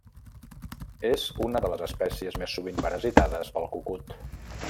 És una de les espècies més sovint parasitades pel cucut.